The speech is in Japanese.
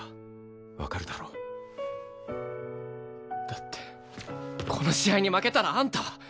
だってこの試合に負けたらあんたは！